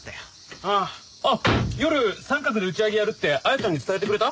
あっ夜サンカクで打ち上げやるって彩ちゃんに伝えてくれた？